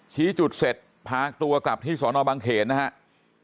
ชี้จุดเสร็จพาตัวกลับที่สอนอบังเขนนะครับ